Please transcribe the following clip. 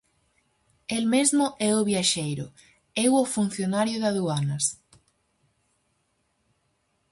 El mesmo é o viaxeiro, eu o funcionario de aduanas.